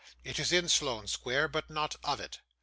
It is in Sloane Street, but not of it.